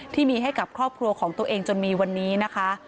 ที่มีให้กับครอบครัวของตัวเองจนมีวันนี้นะคะ